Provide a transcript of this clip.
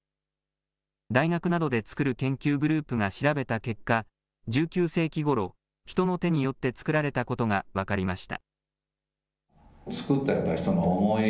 大学などで作る研究グループが調べた結果、１９世紀ごろ、人の手によって作られたことが分かりました。